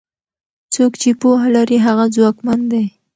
څوک چې پوهه لري هغه ځواکمن دی.